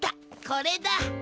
これだ。